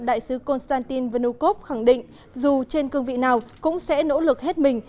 đại sứ konstantin vnukov khẳng định dù trên cương vị nào cũng sẽ nỗ lực hết mình